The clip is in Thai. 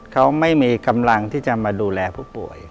เขาไม่มีกำลังที่จะมาดูแลผู้ป่วย